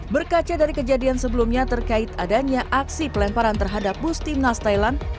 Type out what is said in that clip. berkaca dari kejadian sebelumnya terkait adanya aksi pelemparan terhadap bus timnas thailand